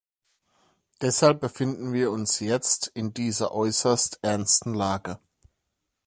Deshalb befinden wir uns jetzt in dieser äußerst ernsten Lage.